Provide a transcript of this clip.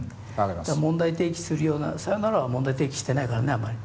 だから問題提起するような「さよなら」は問題提起してないからねあんまり。